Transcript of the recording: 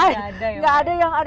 enggak ada yang ada